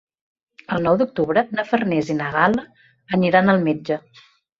El nou d'octubre na Farners i na Gal·la aniran al metge.